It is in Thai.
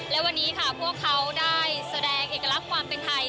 และวันนี้ค่ะพวกเขาได้แสดงเอกลักษณ์ความเป็นไทย